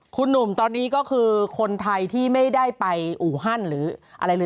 คุณหนุ่มตอนนี้ก็คือคนไทยที่ไม่ได้ไปอูฮันหรืออะไรเลย